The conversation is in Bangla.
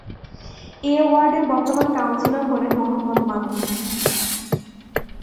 এ ওয়ার্ডের বর্তমান কাউন্সিলর হলেন মো: মামুন।